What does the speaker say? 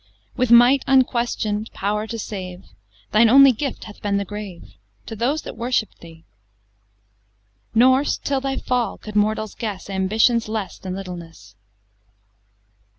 With might unquestion'd, power to save, Thine only gift hath been the grave, To those that worshipp'd thee; Nor till thy fall could mortals guess Ambition's less than littleness!